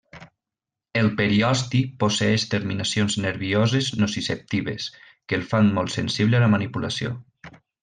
El periosti posseeix terminacions nervioses nociceptives, que el fan molt sensible a la manipulació.